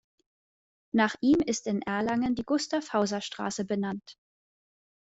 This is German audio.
Nach ihm ist in Erlangen die "Gustav-Hauser-Straße" benannt.